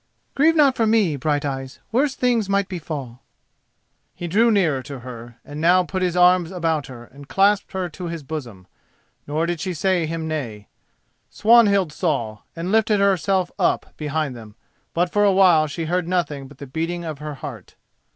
"Grieve not for me, Brighteyes, worse things might befall." He drew nearer to her, and now he put his arms about her and clasped her to his bosom; nor did she say him nay. Swanhild saw and lifted herself up behind them, but for a while she heard nothing but the beating of her heart.